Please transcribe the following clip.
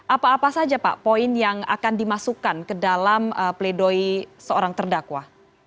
apa apa saja pak poin yang akan dimasukkan ke dalam pledoi seorang terdakwa